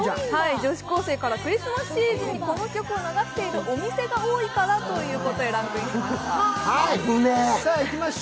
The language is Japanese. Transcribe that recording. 女子高生から、クリスマスシーズン、この曲を流しているお店が多いからということでランクインしました。